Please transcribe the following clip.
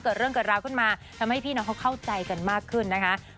เกิดเรื่องเกิดราวขึ้นมาทำให้พี่น้องเขาเข้าใจกันมากขึ้นนะคะ